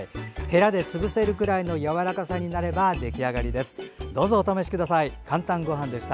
へらで潰せるくらいのやわらかさになれば出来上がりです。